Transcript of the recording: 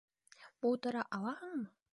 Булдыра алаһыңмы?